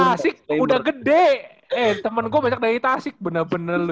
tasik udah gede eh temen gue masak dari tasik bener bener lu ya